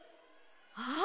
あっ！